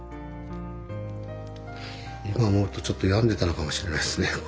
今思うとちょっと病んでたのかもしれないですね。